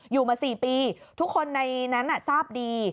อยู่มา๔ปีทุกคนในนั้นทราบดี